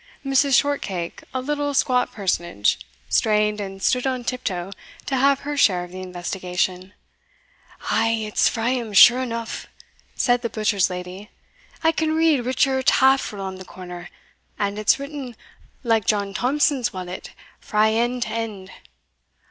Mrs. Shortcake, a little squat personage, strained and stood on tiptoe to have her share of the investigation. "Ay, it's frae him, sure eneugh," said the butcher's lady; "I can read Richard Taffril on the corner, and it's written, like John Thomson's wallet, frae end to end."